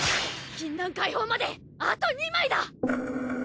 禁断解放まであと２枚だ！